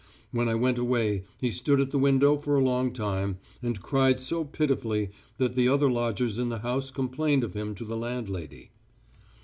When I went away he stood at the window for a long time, and cried so pitifully that the other lodgers in the house complained of him to the landlady.